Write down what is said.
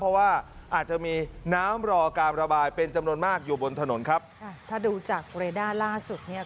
เพราะว่าอาจจะมีน้ำรอการระบายเป็นจำนวนมากอยู่บนถนนครับค่ะถ้าดูจากเรด้าล่าสุดเนี่ย